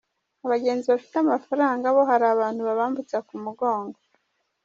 Abagenzi bafite amafaranga bo hari abantu babambutsa ku mugongo.